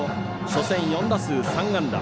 初戦、４打数３安打。